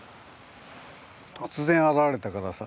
突然現れたからさ。